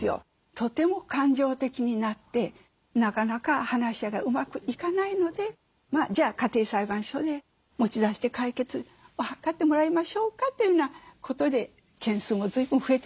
とても感情的になってなかなか話し合いがうまくいかないのでじゃあ家庭裁判所へ持ち出して解決を図ってもらいましょうかというようなことで件数も随分増えてますね。